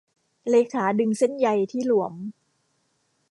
เลขาดึงเส้นใยที่หลวม